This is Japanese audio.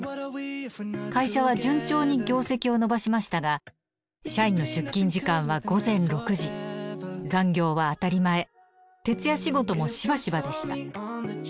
会社は順調に業績を伸ばしましたが社員の出勤時間は午前６時残業は当たり前徹夜仕事もしばしばでした。